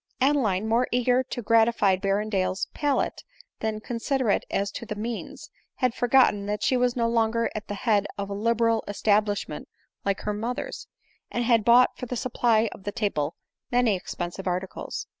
Adeline, more eager to gratify Berrendale's palate than considerate as to the means, had forgotten that she was no longer at the head of a liberal establish ment like her mother's, and had bought for the supply of the table many expensive articles.